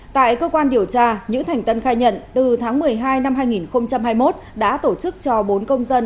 tại cơ quan điều tra nhữ thành tân khai nhận từ tháng một mươi hai năm hai nghìn hai mươi một đã tổ chức cho bốn công dân